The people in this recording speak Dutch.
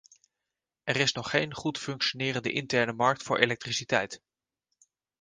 Er is nog geen goed functionerende interne markt voor elektriciteit.